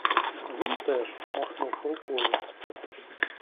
Він теж махнув рукою.